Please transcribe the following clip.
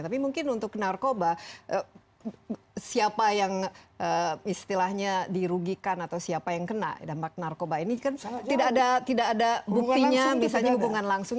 tapi mungkin untuk narkoba siapa yang istilahnya dirugikan atau siapa yang kena dampak narkoba ini kan tidak ada buktinya misalnya hubungan langsung